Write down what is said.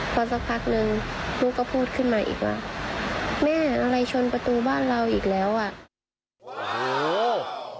พอสักพักนึงลูกก็พูดขึ้นมาอีกว่าแม่อะไรชนประตูบ้านเราอีกแล้วอ่ะโอ้โห